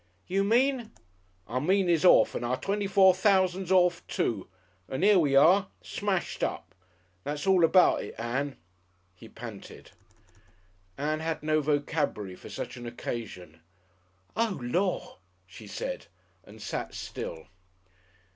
"You mean?" "I mean 'e's orf and our twenty four thousand's orf, too! And 'ere we are! Smashed up! That's all about it, Ann." He panted. Ann had no vocabulary for such an occasion. "Oh, Lor'!" she said, and sat still.